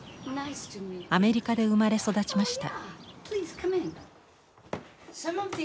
アメリカで生まれ育ちました。